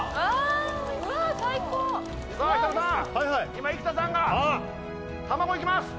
今生田さんが卵いきます！